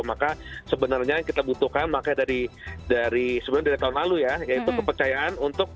maka sebenarnya kita butuhkan makanya dari sebenarnya dari tahun lalu ya yaitu kepercayaan untuk